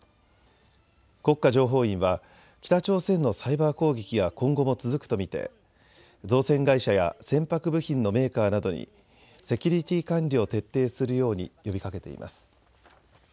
国家情報院は北朝鮮のサイバー攻撃は今後も続くと見て造船会社や船舶部品のメーカーなどにセキュリティー管理を徹底するように呼びかけています。